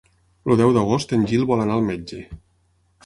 El deu d'agost en Gil vol anar al metge.